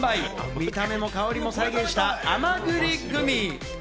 見た目も香りも再現した甘栗グミ。